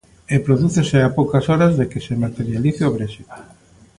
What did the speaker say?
E prodúcese a poucas horas de que se materialice o Brexit.